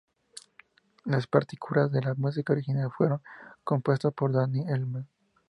Las partituras de la música original fueron compuestas por Danny Elfman.